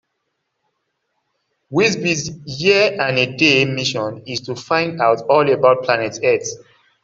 Wizbit's year-and-a-day mission is to find out all about planet Earth.